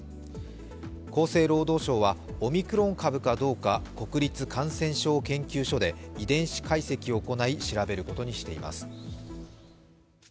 厚生労働省はオミクロン株かどうか国立感染症研究所で遺伝子解析を行い調べることにしています。